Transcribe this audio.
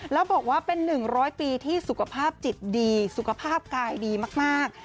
แล้วบอกว่าเป็น๑๐๐ปีที่สุขภาพจิตดีสุขภาพกายดีมาก